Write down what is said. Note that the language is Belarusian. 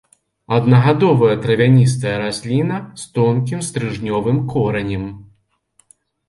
Аднагадовая травяністая расліна з тонкім стрыжнёвым коранем.